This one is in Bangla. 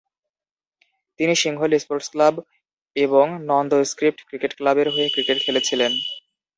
তিনি সিংহলি স্পোর্টস ক্লাব এবং নন্দস্ক্রিপ্ট ক্রিকেট ক্লাবের হয়ে ক্রিকেট খেলেছিলেন।